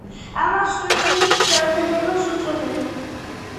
ამას სუიციდის გადადებას უწოდებენ.